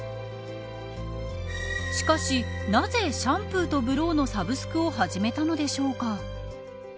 しかしなぜシャンプーとブローのサブスクを始めたのでしょうか。